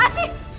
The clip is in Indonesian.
masa tak asik